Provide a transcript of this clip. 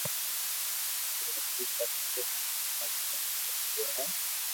تو ايتي تڪ تو مني ھمج ۾ آوئي گيو ھي